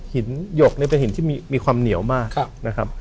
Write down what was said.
หยกเนี่ยเป็นหินที่มีความเหนียวมากนะครับ